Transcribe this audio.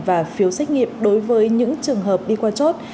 và phiếu xét nghiệm đối với những trường hợp đi qua chốt